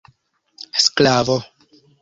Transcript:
sklavo